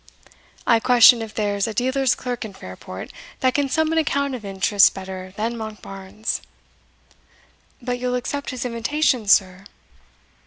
I question if there's a dealer's clerk in Fairport that can sum an account of interest better than Monkbarns." "But you'll accept his invitation, sir?"